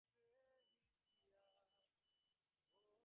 আমরা ভালোবাসবো একে অপরকে।